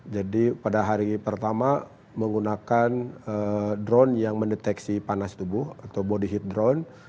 jadi pada hari pertama menggunakan drone yang mendeteksi panas tubuh atau body heat drone